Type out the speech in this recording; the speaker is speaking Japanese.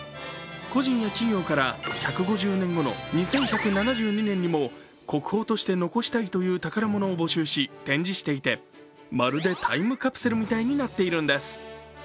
個人や企業から１５０年後の２１７２年にも国宝として残したいという宝物を募集し、展示していてまるでタイムカプセルみたいになっているんです。